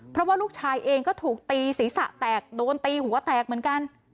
เพราะว่าลูกชายเองก็ถูกตีศีรษะแตกโดนตีหัวแตกเหมือนกัน